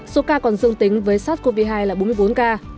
số ca còn dương tính với sars cov hai là bốn mươi bốn ca